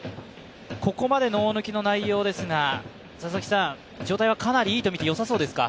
ここまでの大貫の内容ですが、状態はかなりいいと見てよさそうですか？